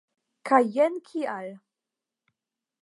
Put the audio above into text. Kaj jen kial!